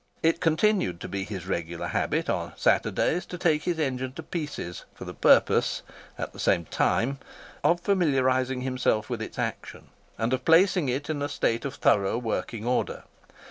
It continued to be his regular habit, on Saturdays, to take his engine to pieces, for the purpose, at the same time, of familiarising himself with its action, and of placing it in a state of thorough working order.